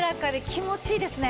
気持ちいいんですよ